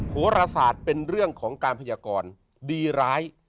โหรศาสตร์เป็นเรื่องของการพยากรดีร้าย